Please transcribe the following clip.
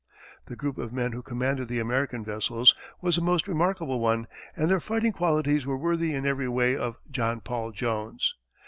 The group of men who commanded the American vessels was a most remarkable one, and their fighting qualities were worthy in every way of John Paul Jones.